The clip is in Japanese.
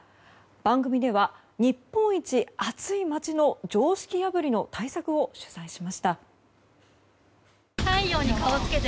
番組では日本一暑い街の常識破りの対策を取材しました。